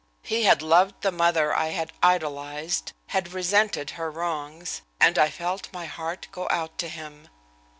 He had loved the mother I had idolized, had resented her wrongs, and I felt my heart go out to him.